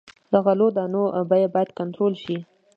د غلو دانو بیه باید کنټرول شي.